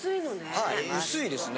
はい薄いですね。